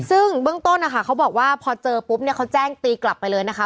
ซึ่งเบื้องต้นนะคะเขาบอกว่าพอเจอปุ๊บเนี่ยเขาแจ้งตีกลับไปเลยนะคะ